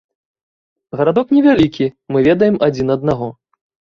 Гарадок невялікі, мы ведаем адзін аднаго.